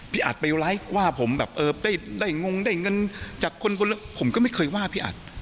อัดไปไลฟ์ว่าผมแบบเออได้งงได้เงินจากคนผมก็ไม่เคยว่าพี่อัด